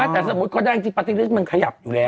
แต่สมมติก็ได้จริงมันขยับอยู่แล้ว